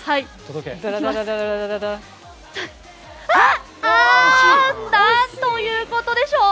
あ！何ということでしょう。